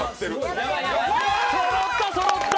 そろった、そろった！